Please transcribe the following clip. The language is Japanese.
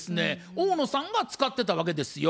大野さんが使ってたわけですよ。